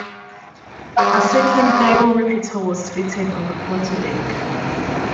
A second gyro repeater was fitted on the quarterdeck.